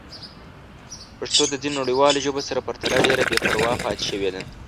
پښتو د ځینو نړیوالو ژبو سره پرتله ډېره بې پروا پاتې شوې ده.